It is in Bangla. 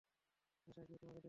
বাসা গিয়ে তোমাকে দেখছি।